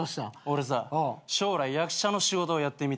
俺さ将来役者の仕事をやってみたい。